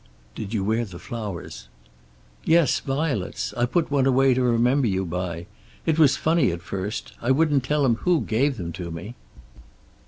"Did you wear the flowers?" "Yes, violets. I put one away to remember you by. It was funny at first. I wouldn't tell him who gave them to me."